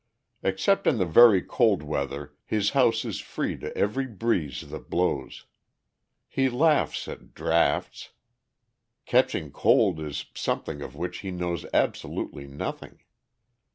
Except in the very cold weather his house is free to every breeze that blows. He laughs at "drafts." "Catching cold" is a something of which he knows absolutely nothing.